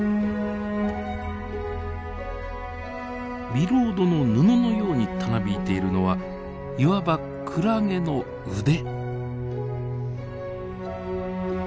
ビロードの布のようにたなびいているのはいわばクラゲの腕。